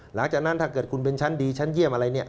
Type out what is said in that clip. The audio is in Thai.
หลังจากนั้นถ้าเกิดคุณเป็นชั้นดีชั้นเยี่ยมอะไรเนี่ย